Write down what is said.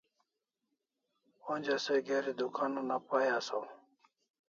Onja se geri dukan una pai asaw